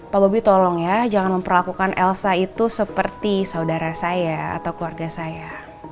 pak bobi tolong ya jangan memperlakukan elsa itu seperti saudara saya atau keluarga saya